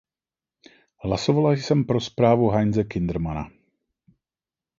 Hlasovala jsem pro zprávu Heinze Kindermanna.